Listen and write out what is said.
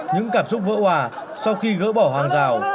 những cảm xúc vỡ hòa sau khi gỡ bỏ hàng rào